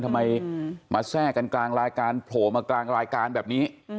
ทำไมมาแทรกกันกลางรายการโผล่มากลางรายการแบบนี้